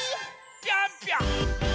ぴょんぴょん！